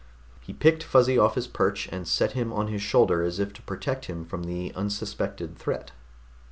He picked Fuzzy off his perch and set him on his shoulder as if to protect him from some unsuspected threat.